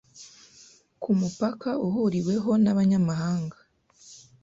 kumupaka uhuriweho nabanyamahanga